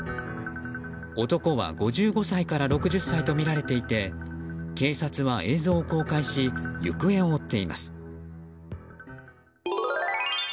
男は５５歳から６０歳とみられていて警察は映像を公開し行方を追っています。